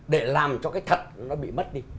để làm cho cái thật nó bị mất đi